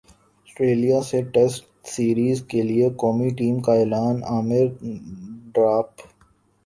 سٹریلیا سے test series کیلئے قومی ٹیم کا اعلان عامر ڈراپ